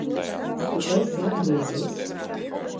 Tu esi atgriezies!